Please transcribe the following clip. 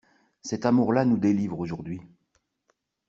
Cet amour-là nous délivre aujourd'hui.